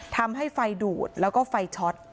ทำให้ไฟดูดแล้วก็ไฟช็อต